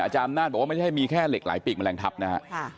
อาจารย์อำนาจบอกว่าไม่ใช่มีแค่เหล็กไหลปีกแมลงทัพนะครับ